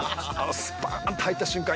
スパーンと入った瞬間